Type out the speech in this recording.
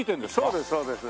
そうですそうです。